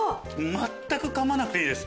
全くかまなくていいです。